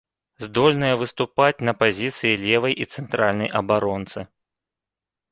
Здольная выступаць на пазіцыі левай і цэнтральнай абаронцы.